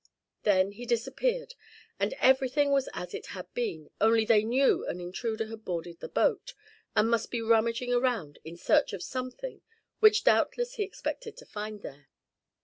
Then he disappeared and everything was as it had been; only they knew an intruder had boarded the boat, and must be rummaging around in search of something which doubtless he expected to find there.